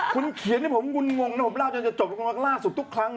คุณเขียนให้ผมงุ่นงงนะผมเล่าจนจะจบล่าสุดทุกครั้ง